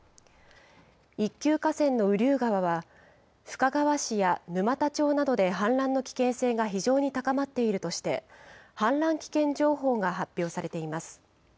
一級河川の雨竜川は、ふかがわ市や沼田町などで氾濫の危険性が非常に高まっているとして、氾濫危険情報が発表されています。